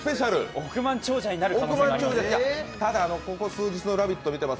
億万長者になる可能性があります。